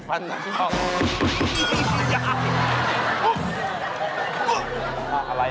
อะไรน่ะ